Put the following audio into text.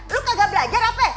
lo kagak belajar ape